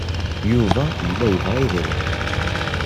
Yuba yella yebɣa idrimen.